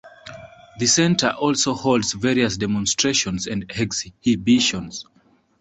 The centre also holds various demonstrations and exhibitions.